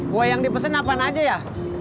kue yang dipesan apaan aja ya